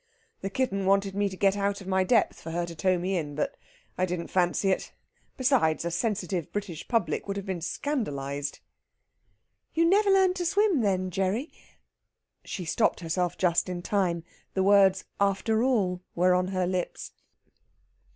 "The kitten wanted me to get out of my depth for her to tow me in. But I didn't fancy it. Besides, a sensitive British public would have been scandalised." "You never learned to swim, then, Gerry ?" She just stopped herself in time. The words "after all" were on her lips.